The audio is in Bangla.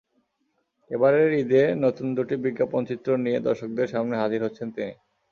এবারের ঈদে নতুন দুটি বিজ্ঞাপনচিত্র নিয়ে দর্শকদের সামনে হাজির হচ্ছেন তিনি।